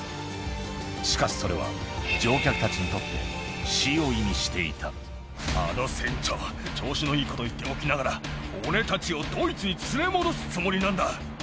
しかし、それは乗客たちにとって、あの船長、調子のいいこと言っておきながら、俺たちをドイツに連れ戻すつもりなんだ。